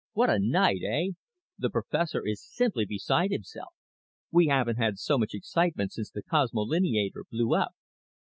"What a night, eh? The professor is simply beside himself. We haven't had so much excitement since the cosmolineator blew up."